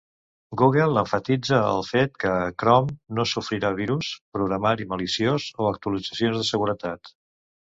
Google emfatitza el fet que Chrome no sofrirà virus, programari maliciós, o actualitzacions de seguretat.